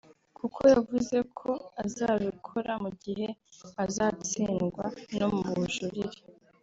kuko yavuze ko azabikora mu gihe azatsindwa no mu bujurire